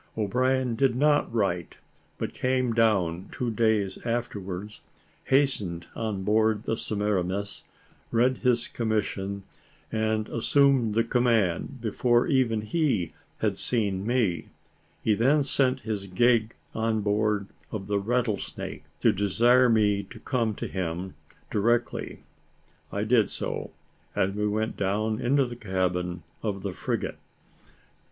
O'Brien did not write; but came down two days afterwards, hastened on board the Semiramis, read his commission, and assumed the command before even he had seen me: he then sent his gig on board of the Rattlesnake, to desire me to come to him directly. I did so, and we went down into the cabin of the frigate.